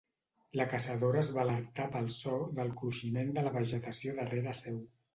La caçadora es va alertar pel so del cruiximent de la vegetació darrere seu.